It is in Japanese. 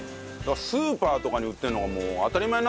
スーパーとかに売ってるのがもう当たり前になったもんね。